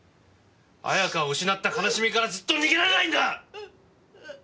綾香を失った悲しみからずっと逃げられないんだ！